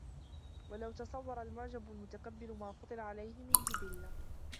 وَلَوْ تَصَوَّرَ الْمُعْجَبُ الْمُتَكَبِّرُ مَا فُطِرَ عَلَيْهِ مِنْ جِبِلَّةٍ